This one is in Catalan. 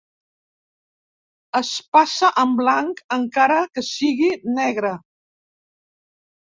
Es passa en blanc encara que sigui negra.